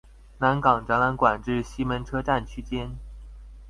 南港展覽館至西門車站區間